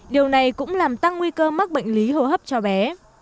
điều này cũng làm tăng nguy cơ mắc bệnh lý hô hấp cho bé